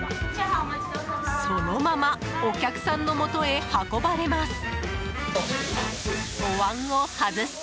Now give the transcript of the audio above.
そのままお客さんのもとへ運ばれます。